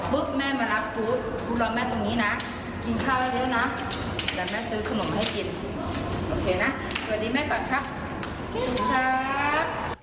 ปุ๊บแม่มารับกูรอแม่ตรงนี้น่ะ